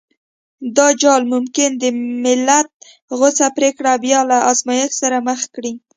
دا جال ممکن د ملت غوڅه پرېکړه بيا له ازمایښت سره مخ کړي.